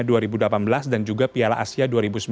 dua ribu delapan belas dan juga piala asia dua ribu sembilan belas